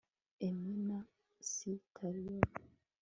elmina s taylor